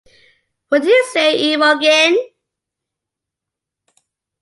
What do you say, Imogen?